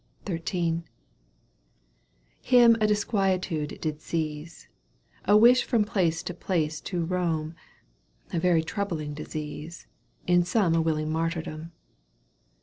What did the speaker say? XIIL Him a disquietude did seize, A wish from place to place to roam, A very troublesome disease, In some a willing martyrdom.